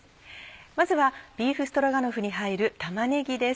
まずはビーフストロガノフに入る玉ねぎです。